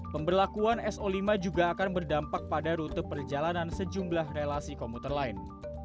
pemberlakuan so lima juga akan berdampak pada rute perjalanan sejumlah relasi komuter lain